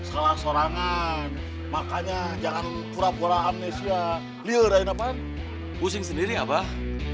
salah sorangan makanya jangan pura pura amnesia liar lain apaan pusing sendiri abah